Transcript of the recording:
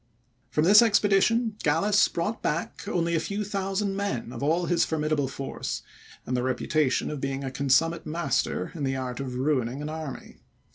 From this expedition, Gallas brought back only a few thousand men of all his formidable force, and the reputation of being a consummate master in the art of ruining an army.